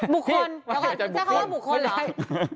บุคคลเธอค่อยจะบุคคลเหรอ